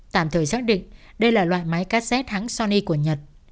tạm thời xác định đây là loại máy cassette hắng sony của nhật